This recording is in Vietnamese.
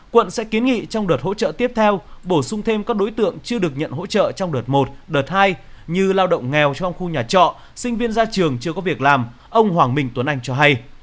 quận sẽ kiến nghị trong đợt hỗ trợ tiếp theo bổ sung thêm các đối tượng chưa được nhận hỗ trợ trong đợt một đợt hai như lao động nghèo trong khu nhà trọ sinh viên ra trường chưa có việc làm ông hoàng minh tuấn anh cho hay